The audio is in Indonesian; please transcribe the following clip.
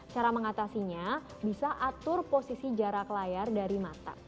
cara mengatasinya bisa atur posisi jarak layar dari mata